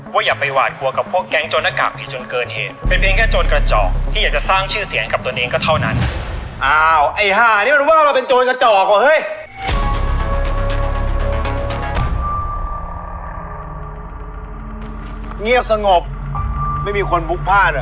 ว่าอย่าไปหวาดกลัวกับพวกแก๊งโจรนกากผิดจนเกินเหตุ